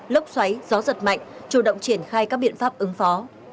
lốc xoáy gió giật mạnh chủ động triển khai các biện pháp ứng phó